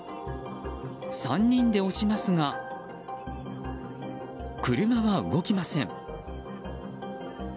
３人で押しますが車は動きません。